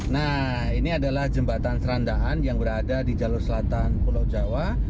nah ini adalah jembatan serandaan yang berada di jalur selatan pulau jawa